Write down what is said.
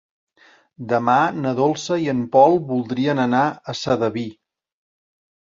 Demà na Dolça i en Pol voldrien anar a Sedaví.